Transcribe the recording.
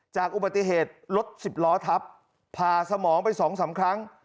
จากอุบัติเหตุลด๑๐ล้อทัพพาสมองไป๒๓ครั้ง